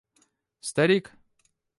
старик